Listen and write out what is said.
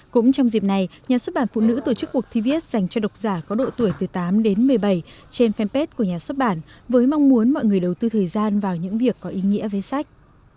cũng trong dịp này nhà xuất bản phụ nữ tổ chức cuộc thi viết dành cho độc giả có độ tuổi từ tám đến một mươi bảy trên fanpage của nhà xuất bản với mong muốn mọi người đầu tư thời gian vào những việc có ý nghĩa với sách